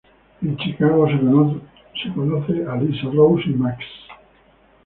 En Chicago se conoce a Lisa, Rose y Max.